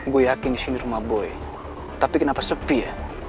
gue yakin di sini rumah boleh tapi kenapa sepi ya